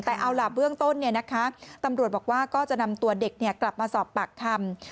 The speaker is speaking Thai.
แต่เอาล่ะเบื้องต้นตำรวจบอกว่าก็จะนำตัวเด็กกลับมาสอบปากคำ